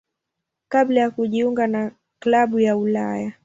kabla ya kujiunga na klabu ya Ulaya.